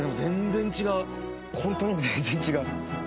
ホントに全然違う。